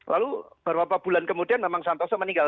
lalu beberapa bulan kemudian memang santoso meninggal